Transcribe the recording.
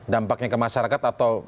dampaknya ke masyarakat atau